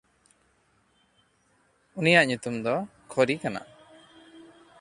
ᱩᱱᱤᱭᱟᱜ ᱧᱩᱛᱩᱢ ᱫᱚ ᱠᱷᱚᱨᱭ ᱠᱟᱱᱟ᱾